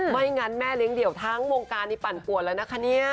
ไม่งั้นแม่เลี้ยงเดี่ยวทั้งวงการนี้ปั่นปวดแล้วนะคะเนี่ย